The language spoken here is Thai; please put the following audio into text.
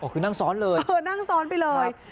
คือนั่งซ้อนเลยนั่งซ้อนไปเลย